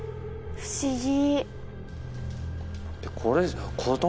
不思議。